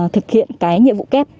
thực hiện cái nhiệm vụ kép